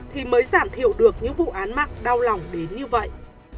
thì mới giảm thiểu được những vụ án mạng đau lòng đến như vậy